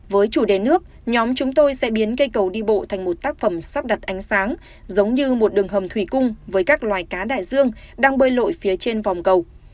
với chủ đề nước nhóm chúng tôi sẽ biến cây cầu đi bộ thành một tác phẩm sắp đặt ánh sáng giống như một đường hầm thủy cung với các loài cá đại dương đang bơi lội phía trên vòng cầu